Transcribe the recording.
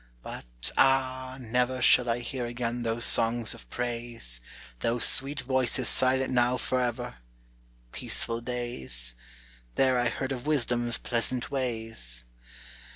but, ah, never Shall I hear again those songs of praise, Those sweet voices silent now forever! Peaceful days! There I heard of Wisdom's pleasant ways.